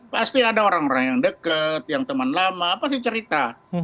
pasti ada orang orang yang dekat yang teman lama apa sih cerita